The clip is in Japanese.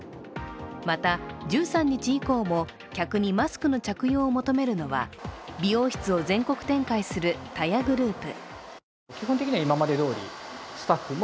また、１３日以降も客にマスクの着用を求めるのは美容室を全国展開するＴＡＹＡグループ。